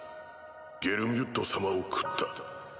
ゲルミュッド様を食った。